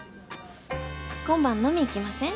今晩飲み行きません？